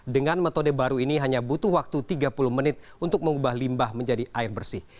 dengan metode baru ini hanya butuh waktu tiga puluh menit untuk mengubah limbah menjadi air bersih